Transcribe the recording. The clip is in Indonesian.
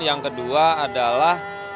yang kedua adalah